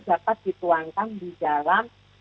dapat dituangkan di dalam